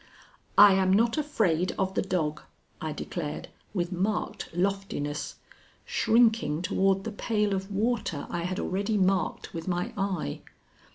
"I am not afraid of the dog," I declared, with marked loftiness, shrinking toward the pail of water I had already marked with my eye.